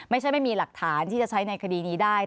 ไม่มีหลักฐานที่จะใช้ในคดีนี้ได้